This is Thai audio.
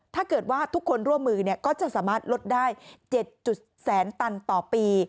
ถ้าเกิดว่าทุกคนร่วมมือก็จะสามารถลดได้๗แสนตันต่อปี